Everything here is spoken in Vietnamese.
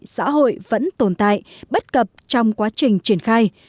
xã hội vẫn tồn tại bất cập trong quá trình triển khai